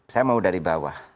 saya mau dari bawah